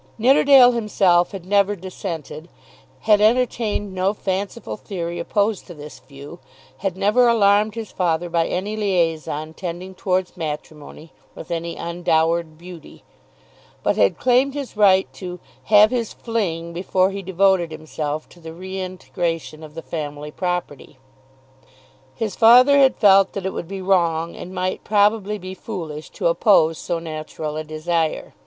Nidderdale himself had never dissented, had entertained no fanciful theory opposed to this view, had never alarmed his father by any liaison tending towards matrimony with any undowered beauty; but had claimed his right to "have his fling" before he devoted himself to the redintegration of the family property. His father had felt that it would be wrong and might probably be foolish to oppose so natural a desire.